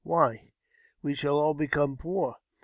Why, we shall all become poor